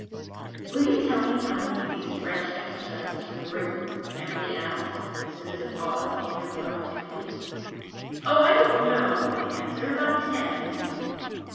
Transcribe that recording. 'Will you tell me how many of these French exercises you have written?' Emily asked as soon as a pause gave her the opportunity. 'Oh, I don't know,' was the answer; 'about ten, I think.